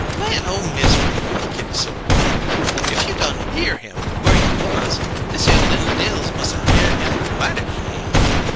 "Lan' o' misery!" Kitty Silver cried. "If you done hear him whur you was, thishere li'l Dills mus' a hear him mighty plain?"